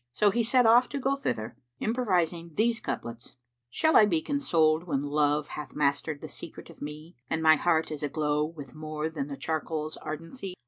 So he set off to go thither, improvising these couplets, "Shall I be consoled when Love hath mastered the secret of me * And my heart is aglow with more than the charcoal's ardency?